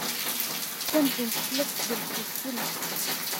Tamdint tella tdel s wedfel.